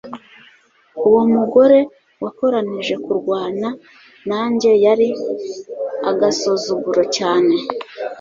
Uwo mugore watoranije kurwana nanjye yari agasuzuguro cyane